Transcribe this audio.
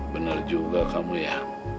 bener juga kamu ya